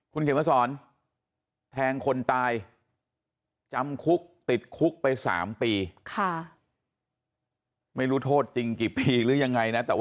คุณเขียนมาสอนแทงคนตายจำคุกติดคุกไป๓ปีไม่รู้โทษจริงกี่ปีหรือยังไงนะแต่ว่า